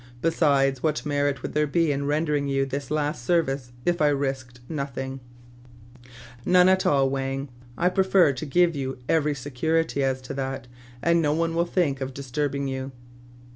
Besides, what merit would there be in rendering you this last service if I risked nothing ?"" None at all, Wang. I prefer to give you every security as to that, and no one will think of dis turbing you."